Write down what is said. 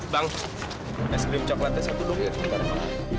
bang es krim coklatnya satu dong ya